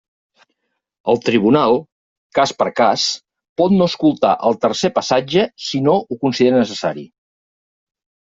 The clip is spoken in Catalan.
El tribunal, cas per cas, pot no escoltar el tercer passatge si no ho considera necessari.